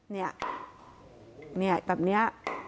เนี่ยแบบนี้